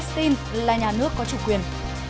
cristin là nhà nước có chủ quyền